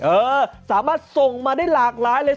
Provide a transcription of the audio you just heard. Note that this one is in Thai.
เออสามารถส่งมาได้หลากหลายเลย